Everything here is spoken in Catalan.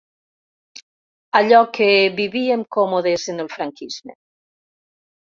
Allò que vivíem còmodes en el franquisme.